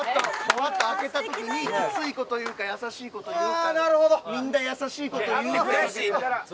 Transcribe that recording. ぱっとあけた時にきついことを言うか優しいこと言うかでみんな優しいことだった。